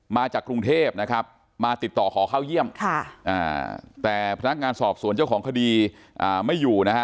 มาจากกรุงเทพนะครับมาติดต่อขอเข้าเยี่ยมแต่พนักงานสอบสวนเจ้าของคดีไม่อยู่นะฮะ